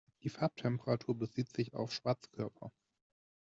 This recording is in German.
Die Farbtemperatur bezieht sich auf Schwarzkörper.